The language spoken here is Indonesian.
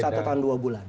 satu tahun dua bulan